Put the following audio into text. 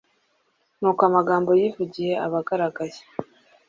Nuko amagambo yivugiye aba aragaragaye,